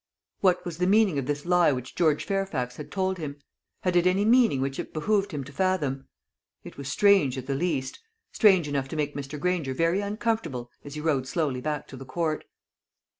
What was the meaning of this lie which George Fairfax had told him? Had it any meaning which it behoved him to fathom? It was strange, at the least strange enough to make Mr. Granger very uncomfortable as he rode slowly back to the Court.